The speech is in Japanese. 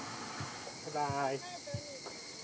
バイバーイ。